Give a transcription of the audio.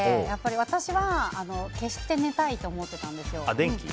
私は消して寝たいと思ってたんですよ。